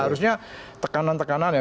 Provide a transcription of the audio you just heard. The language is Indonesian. seharusnya tekanan tekanan ya